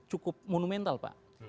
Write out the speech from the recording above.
cukup monumental pak